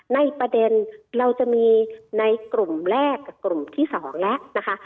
ในประเด็นเราจะมีในกลุ่มแรกกับกลุ่มที่๒แล้วนะคะ